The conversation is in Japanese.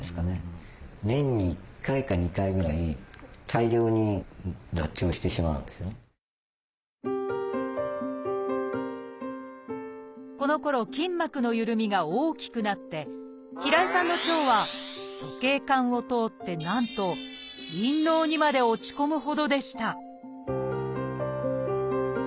４０代になると結局このころ筋膜のゆるみが大きくなって平井さんの腸は鼠径管を通ってなんと陰嚢にまで落ち込むほどでした